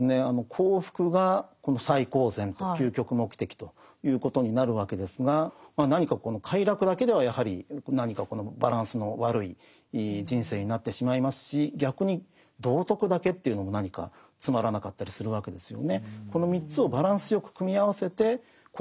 幸福が最高善と究極目的ということになるわけですが何かこの快楽だけではやはり何かこのバランスの悪い人生になってしまいますし逆に道徳だけというのも何かつまらなかったりするわけですよね。